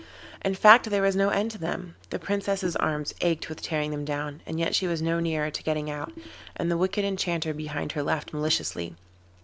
In fact, there was no end to them; the Princess's arms ached with tearing them down, and yet she was no nearer to getting out, and the wicked Enchanter behind her laughed maliciously.